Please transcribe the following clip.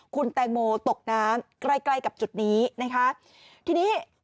คุณแตงโมตกน้ำใกล้ใกล้กับจุดนี้นะคะทีนี้